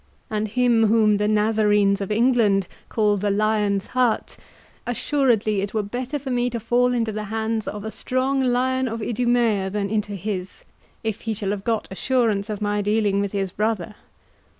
And him whom the Nazarenes of England call the Lion's Heart, assuredly it were better for me to fall into the hands of a strong lion of Idumea than into his, if he shall have got assurance of my dealing with his brother.